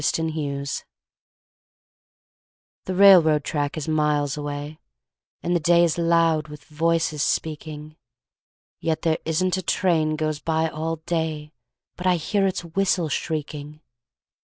TRAVEL The railroad track is miles away, And the day is loud with voices speaking, Yet there isn't a train goes by all day But I hear its whistle shrieking.